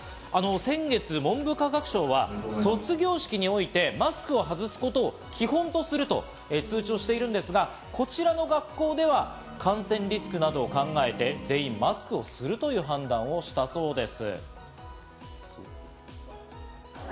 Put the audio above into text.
先月、文部科学省は卒業式において、マスクを外すことを基本とすると通知をしているんですが、こちらの学校では感染リスクなどを考えて、全員マスクをするという判断をしたそうです。